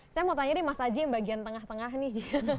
saya mau tanya nih mas aji yang bagian tengah tengah nih